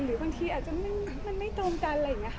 หรือบางทีอาจจะมันไม่ตรงกันอะไรอย่างนี้ค่ะ